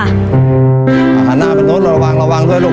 อาหารหน้าเป็นโต๊ะระวังระวังด้วยลูก